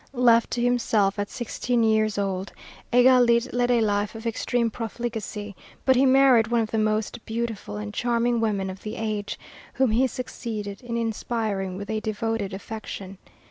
Left to himself at sixteen years old, Égalité led a life of extreme profligacy, but he married one of the most beautiful and charming women of the age, whom he succeeded in inspiring with a devoted affection.